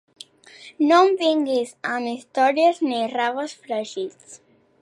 No em vinguis amb històries ni raves fregits!